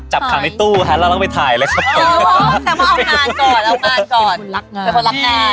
ก็จับขังในตู้แล้วเราก็ไปถ่ายเลยครับผมเอางานก่อนเอางานก่อนเป็นคนรักงาน